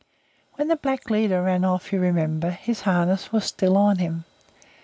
When the black leader ran off, you remember, his harness was still on him.